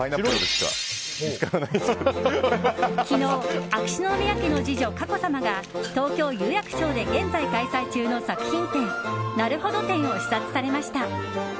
昨日、秋篠宮家の次女・佳子さまが東京・有楽町で現在開催中の作品展「なるほど展」を視察されました。